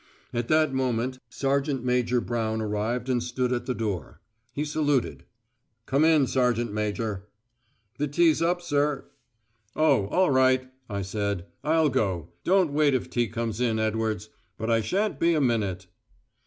At that moment Sergeant Major Brown arrived and stood at the door. He saluted. "Come in, sergeant major." "The tea's up, sir." "Oh, all right," I said. "I'll go. Don't wait if tea comes in, Edwards. But I shan't be a minute."